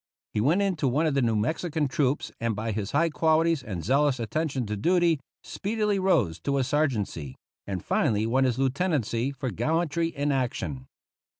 He went into one of the New Mexican troops, and by his high qualities and zealous attention to duty speedily rose to a sergeantcy, and finally won his lieutenancy for gallantry in action.